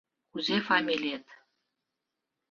Кузе фамилиет?